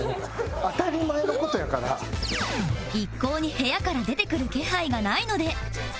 一向に部屋から出てくる気配がないので